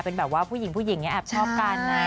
เป็นแบบว่าผู้หญิงผู้หญิงแอบชอบกันนะ